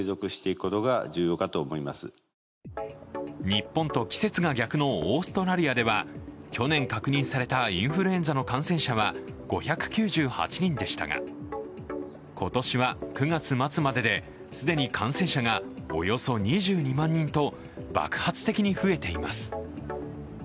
日本と季節が逆のオーストラリアでは、去年確認されたインフルエンザの感染者は５９８人でしたが、今年は９月末までで既に感染者がおよそ２２万人と爆発的に増えています。